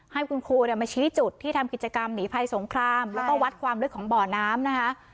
ให้คุณครูมาชี้จุดที่ทำกิจกรรมหนีภัยสงครามแล้วก็วัดความลึกของบ่อน้ำนะคะ